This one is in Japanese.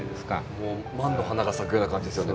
もう万の花が咲くような感じですよね